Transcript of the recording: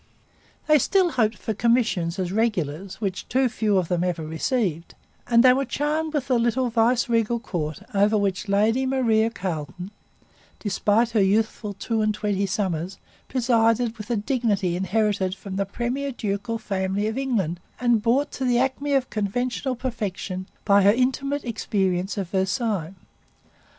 They still hoped for commissions as regulars, which too few of them ever received; and they were charmed with the little viceregal court over which Lady Maria Carleton, despite her youthful two and twenty summers, presided with a dignity inherited from the premier ducal family of England and brought to the acme of conventional perfection by her intimate experience of Versailles.